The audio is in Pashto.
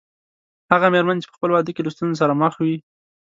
هغه مېرمنه چې په خپل واده کې له ستونزو سره مخ وي.